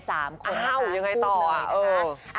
คุณเอ้ยก็ขอเคลียร์ตัวเองแบบนี้